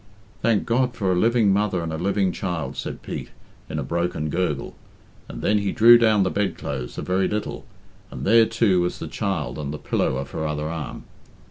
"Thank God for a living mother and a living child," said Pete, in a broken gurgle, and then he drew down the bedclothes a very little, and there, too, was the child on the pillow of her other arm.